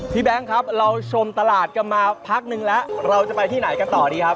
แบงค์ครับเราชมตลาดกันมาพักนึงแล้วเราจะไปที่ไหนกันต่อดีครับ